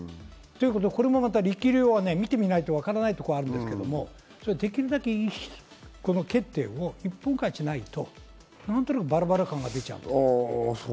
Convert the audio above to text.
これもまた力量は見てみないとわからないところあるんですができるだけ一本化しないと、何となくバラバラ感が出ちゃうと。